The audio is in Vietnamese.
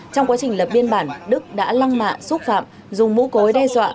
trong quá trình lập biên bản đức đã lăng mạ xúc phạm dùng mũ cối đe dọa